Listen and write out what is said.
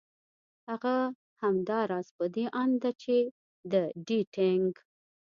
هغه همدا راز په دې اند ده چې د ډېټېنګ